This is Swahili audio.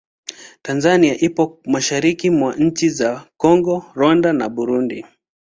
Tanzania ipo mashariki mwa nchi za Kongo, Rwanda na Burundi.